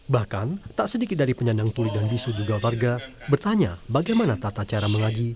bahkan tak sedikit dari penyandang tuli dan bisu juga warga bertanya bagaimana tata cara mengaji